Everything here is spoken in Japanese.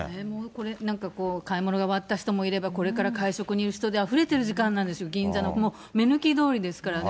これ、なんかこう、買い物が終わった人もいれば、これから会食に行く人であふれているんですよ、銀座の、もう目抜き通りですからね。